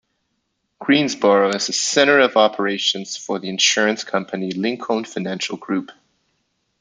Greensboro is a "center of operations" for the insurance company Lincoln Financial Group.